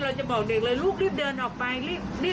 เราจะบอกเด็กเลยลูกรีบเดินออกไปรีบ